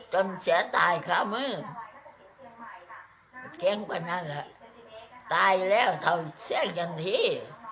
จนเสียตายข้ามือเกรงกว่านั้นตายแล้วสงสัยกันที